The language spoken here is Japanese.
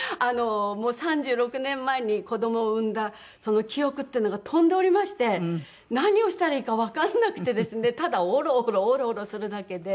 もう３６年前に子供を産んだその記憶っていうのが飛んでおりまして何をしたらいいかわかんなくてですねただおろおろおろおろするだけで。